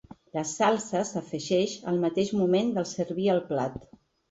La salsa s’afegeix al mateix moment de servir el plat.